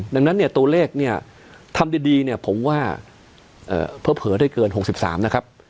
ดังนั้นเนี่ยตัวเลขเนี่ยทำดีเนี่ยผมว่าเผลอได้เกิน๖๓นะครับ